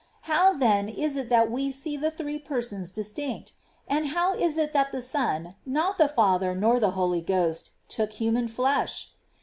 How, then, is it that we see the Three Persons distinct ? and how is it that the Son, not the Father, nor the Holy Ghost, took human flesh